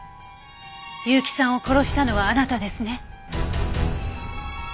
結城さんを殺したのはあなたですね。